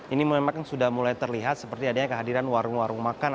ini memang sudah mulai terlihat seperti adanya kehadiran warung warung makan